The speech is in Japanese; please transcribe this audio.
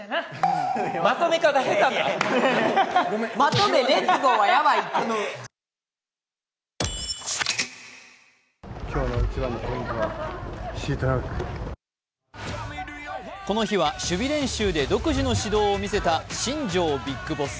ところがこの日は守備練習で独自の指導を見せた新庄ビッグボス。